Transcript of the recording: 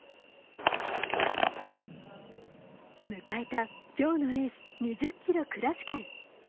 迎えたきょうのレース２０ｋｍクラシカル。